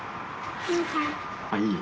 あっいい？